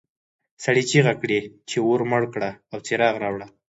سړي چیغې کړې چې اور مړ کړه او څراغ راوړه.